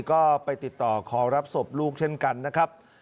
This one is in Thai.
ก็ไปติดต่อขอรับศพลูกเช่นกันนะครับ